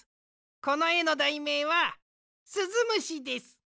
このえのだいめいは「すずむし」です。